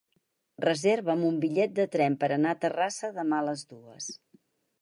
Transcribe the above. Reserva'm un bitllet de tren per anar a Terrassa demà a les dues.